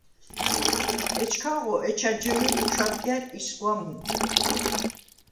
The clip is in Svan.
ეჩქანღო ეჩა ჯჷმილდ ჩუ̂ადგა̈რ ისგუ̂ა მუ”.